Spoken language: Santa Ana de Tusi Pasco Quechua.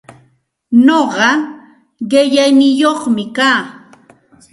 Nuqaichik qillaniyuqmi kaa.